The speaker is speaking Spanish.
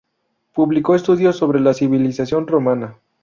Publicó estudios sobre la civilización romana.